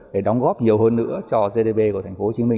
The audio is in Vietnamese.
để đóng góp nhiều hơn nữa cho gdp của họ